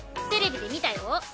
テレビで見たよ。